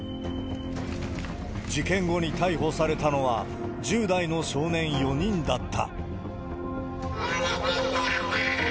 事件後に逮捕されたのは、１０代の少年４人だった。